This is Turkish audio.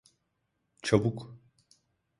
Çabuk.